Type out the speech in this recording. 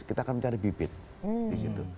kita akan mencari bibit di situ